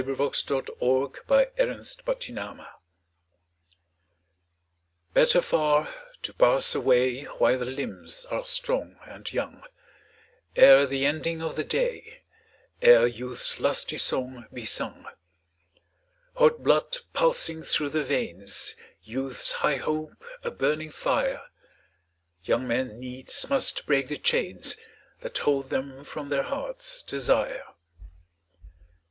XV Better Far to Pass Away BETTER far to pass away While the limbs are strong and young, Ere the ending of the day, Ere youth's lusty song be sung. Hot blood pulsing through the veins, Youth's high hope a burning fire, Young men needs must break the chains That hold them from their hearts' desire.